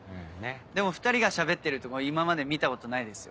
でも２人がしゃべってるとこ今まで見たことないですよ。